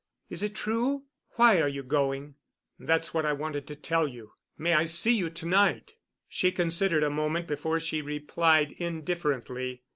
"Is it true? Why are you going?" "That's what I wanted to tell you. May I see you to night?" She considered a moment before she replied indifferently.